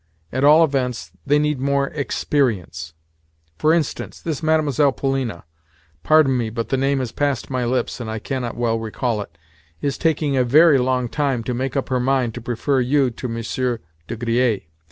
At all events, they need more experience. For instance, this Mlle. Polina—pardon me, but the name has passed my lips, and I cannot well recall it—is taking a very long time to make up her mind to prefer you to Monsieur de Griers.